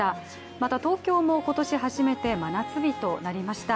また東京も今年初めて真夏日となりました。